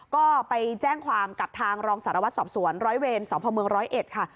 ก็ไปแจ้งความกับทางรองสารวัตรสอบสวนร้อยเวรสพเมืองร้อยเอ็ดค่ะ